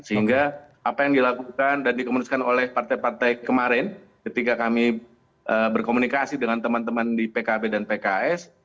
sehingga apa yang dilakukan dan dikemudikan oleh partai partai kemarin ketika kami berkomunikasi dengan teman teman di pkb dan pks